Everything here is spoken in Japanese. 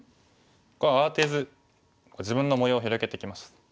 こう慌てず自分の模様を広げてきました。